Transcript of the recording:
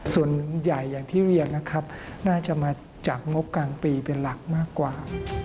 ส่วนหนึ่งใหญ่อย่างที่เรียนนะครับน่าจะมาจากงบกลางปีเป็นหลักมากกว่า